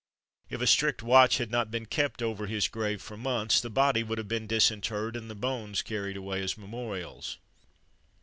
If a strict watch had not been kept over his grave for months, the body would have been disinterred, and the bones carried away as memorials.